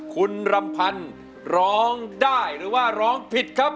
คุณรำพันธ์ร้องได้หรือว่าร้องผิดครับ